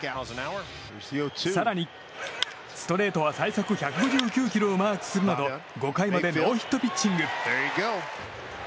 更に、ストレートは最速１５９キロをマークするなど５回までノーヒットピッチング。